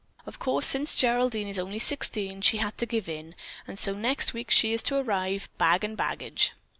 Of course, since Geraldine is only sixteen, she had to give in, and so next week she is to arrive, bag and baggage.